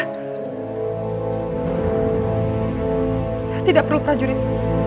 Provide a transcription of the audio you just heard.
tidak perlu prajurit